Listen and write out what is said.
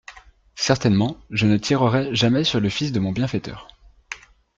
Certainement je ne tirerai jamais sur le fils de mon bienfaiteur.